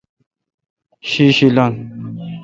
شی شی لنگ۔